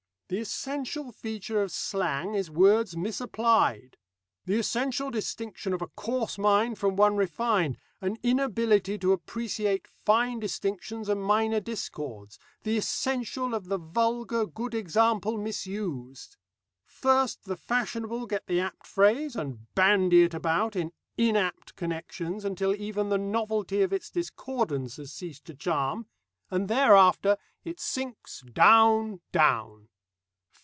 The essential feature of slang is words misapplied; the essential distinction of a coarse mind from one refined, an inability to appreciate fine distinctions and minor discords; the essential of the vulgar, good example misused. First the fashionable get the apt phrase, and bandy it about in inapt connections until even the novelty of its discordance has ceased to charm, and thereafter it sinks down, down.